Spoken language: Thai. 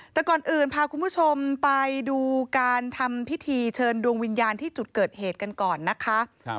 แต่ก่อนอื่นพาคุณผู้ชมไปดูการทำพิธีเชิญดวงวิญญาณที่จุดเกิดเหตุกันก่อนนะคะ